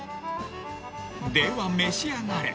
では召し上がれ］